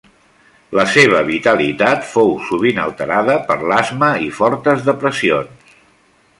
La seva vitalitat fou sovint alterada per l'asma i fortes depressions.